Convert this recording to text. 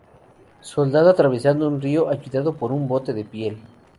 Soldado atravesando un río ayudado por un bote de piel.